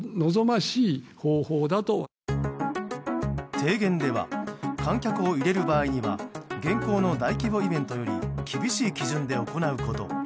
提言では観客を入れる場合には現行の大規模イベントより厳しい基準で行うこと。